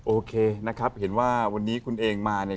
โอเคนะครับเห็นว่าวันนี้คุณเองมาเนี่ย